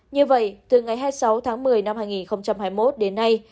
như vậy từ ngày hai mươi sáu một mươi hai nghìn hai mươi một đến nay